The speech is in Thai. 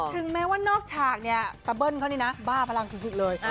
ถึงแม้ว่านอกฉากเนี่ยตะเบิ้ลเขานี่นะบ้าพลังสุดเลย